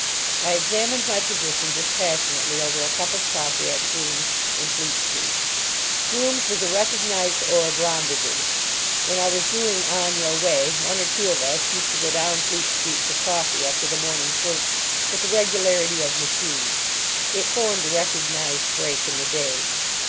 I examined my position dispassionately over a cup of coffee at Groom's, in Fleet Street. Groom's was a recognised Orb rendezvous. When I was doing "On Your Way," one or two of us used to go down Fleet Street for coffee after the morning's work with the regularity of machines. It formed a recognised break in the day.